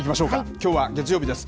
きょうは月曜日です。